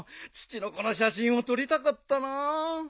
ツチノコの写真を撮りたかったな。